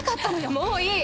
もういい！